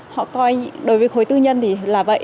họ coi đối với khối tư nhân thì là vậy